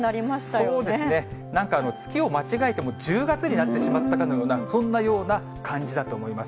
そうですね、なんか月を間違えてもう１０月になってしまったかのような、そんなような感じだと思います。